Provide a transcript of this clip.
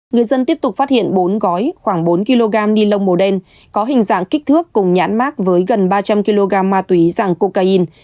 người dân tiếp tục phát hiện bốn gói khoảng bốn kg ni lông màu đen có hình dạng kích thước cùng nhãn mát với gần ba trăm linh kg ma túy giàng cocaine